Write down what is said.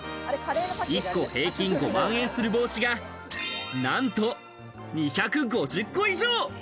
１個平均５万円する帽子がなんと２５０個以上。